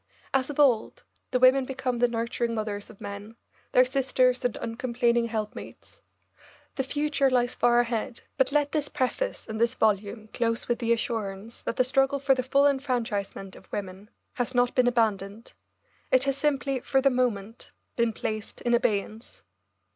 As of old, the women become the nurturing mothers of men, their sisters and uncomplaining helpmates. The future lies far ahead, but let this preface and this volume close with the assurance that the struggle for the full enfranchisement of women has not been abandoned; it has simply, for the moment, been placed in abeyance.